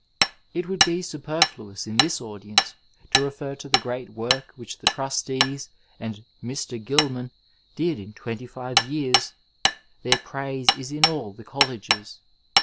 It would be superfluous in this audience to refer to the great work which the Trustees and Mr. Oilman did in twenty five years— their praise is in all the colleges.